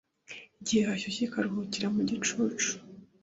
igihe hashyushye ikaruhukira mu gicucu